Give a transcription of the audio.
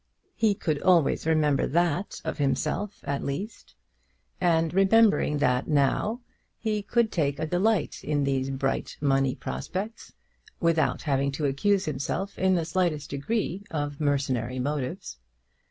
He could always remember that of himself at least; and remembering that now, he could take a delight in these bright money prospects without having to accuse himself in the slightest degree of mercenary motives.